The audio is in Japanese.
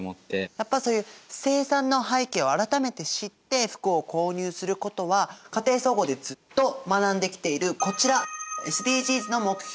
やっぱそういう生産の背景を改めて知って服を購入することは家庭総合でずっと学んできているこちらＳＤＧｓの目標